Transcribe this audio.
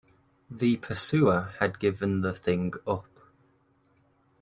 The pursuer had given the thing up.